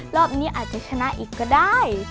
รอบนี้อาจจะชนะอีกก็ได้